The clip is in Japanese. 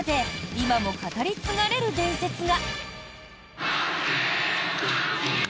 今も語り継がれる伝説が。